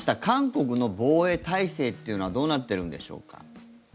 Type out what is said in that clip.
韓国の防衛体制というのはどうなっているんでしょうか。